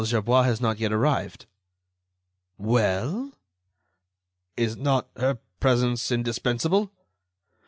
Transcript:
Gerbois has not yet arrived." "Well?" "Is not her presence indispensable?"